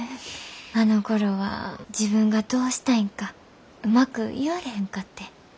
あのころは自分がどうしたいんかうまく言われへんかって。